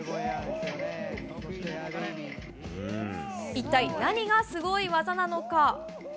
一体何がすごい技なのか。